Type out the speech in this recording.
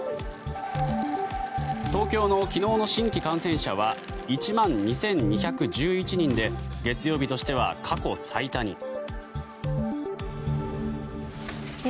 東京の昨日の新規感染者は１万２２１１人で月曜日としては過去最多に。